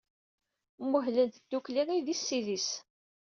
Muhlent ddukkli idis s idis.